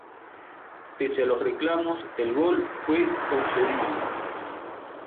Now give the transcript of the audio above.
Pese a los reclamos, el gol fue concedido.